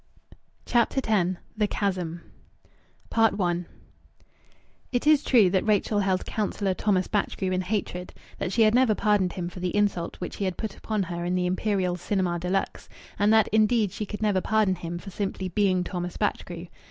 CHAPTER X THE CHASM I It is true that Rachel held Councillor Thomas Batchgrew in hatred, that she had never pardoned him for the insult which he had put upon her in the Imperial Cinema de Luxe; and that, indeed, she could never pardon him for simply being Thomas Batchgrew.